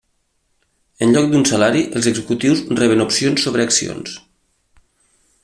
En lloc d'un salari, els executius reben opcions sobre accions.